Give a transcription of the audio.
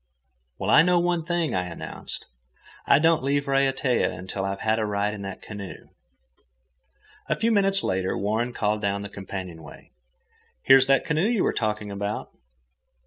"Well, I know one thing," I announced; "I don't leave Raiatea till I have a ride in that canoe." A few minutes later Warren called down the companionway, "Here's that canoe you were talking about."